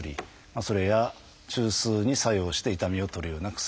それや中枢に作用して痛みを取るような薬。